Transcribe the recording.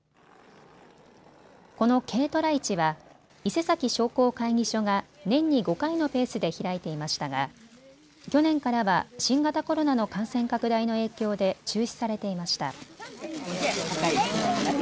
この軽トラ市は伊勢崎商工会議所が年に５回のペースで開いていましたが去年からは新型コロナの感染拡大の影響で中止されていました。